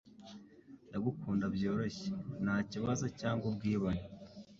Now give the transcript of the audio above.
Ndagukunda byoroshye, nta kibazo cyangwa ubwibone: